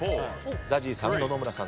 ＺＡＺＹさん野々村さん